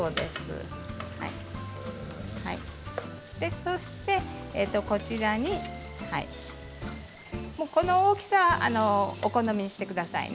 そして、こちらにこの大きさはお好みにしてくださいね